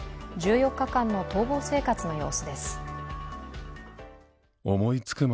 １４日間の逃亡生活の様子です。